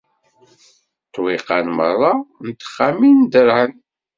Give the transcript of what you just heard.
Ṭṭwiqan meṛṛa n texxamin dderɛen